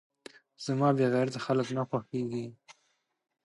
زما بې غيرته خلک نه خوښېږي .